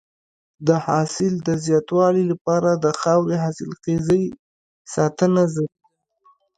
د حاصل د زیاتوالي لپاره د خاورې حاصلخېزۍ ساتنه ضروري ده.